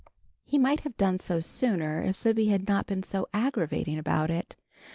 He might have done so sooner if Libby had not been so aggravating about it.